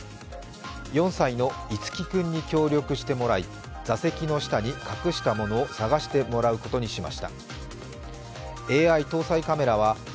４歳の樹輝君に協力してもらい、座席の下に隠したものを探してもらうことにしました。